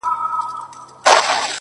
• زما وطن هم لکه غښتلی چنار,